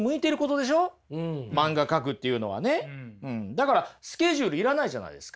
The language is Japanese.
だからスケジュール要らないじゃないですか。